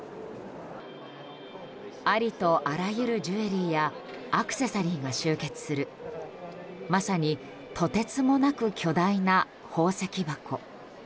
ありとあらゆるジュエリーやアクセサリーが集結するまさにとてつもなく巨大な宝石箱。